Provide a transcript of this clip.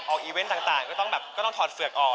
ออกอีเวนต์ต่างก็ต้องถอดเฟือกออก